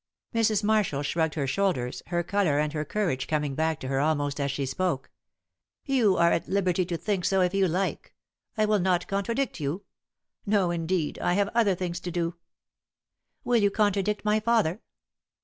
Mrs. Marshall shrugged her shoulders, her colour and her courage coming back to her almost as she spoke. "You are at liberty to think so if you like. I will not contradict you. No, indeed. I have other things to do." "Will you contradict my father?"